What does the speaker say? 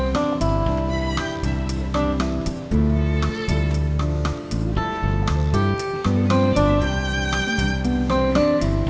berdua berdua ya